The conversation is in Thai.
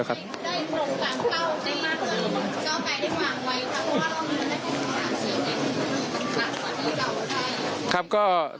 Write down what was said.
กว่าที่เราได้